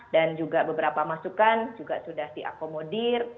dan juga beberapa masukan juga sudah diakomodir